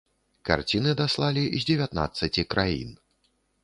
Карціны даслалі з дзевятнаццаці краін.